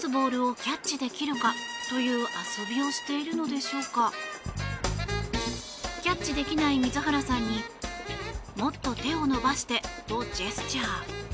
キャッチできない水原さんにもっと手を伸ばしてとジェスチャー。